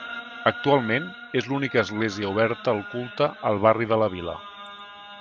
Actualment és l'única església oberta al culte al barri de la Vila.